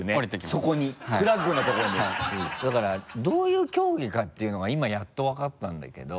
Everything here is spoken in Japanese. だからどういう競技かっていうのが今やっと分かったんだけど。